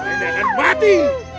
ini enak mati